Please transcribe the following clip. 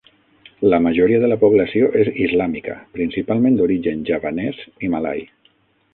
La majoria de la població és islàmica, principalment d'origen javanès i malai.